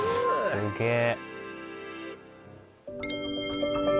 すげえ。